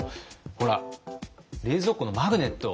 ほら冷蔵庫のマグネット。